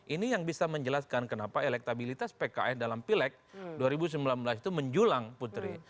ini yang bisa menjelaskan kenapa elektabilitas pks dalam pileg dua ribu sembilan belas itu menjulang putri